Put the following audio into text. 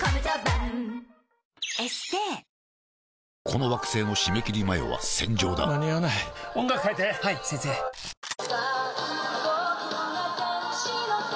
この惑星の締め切り前は戦場だ間に合わない音楽変えて！はいっ！